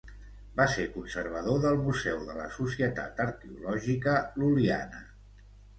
Va ser conservador del Museu de la Societat Arqueològica Lul·liana.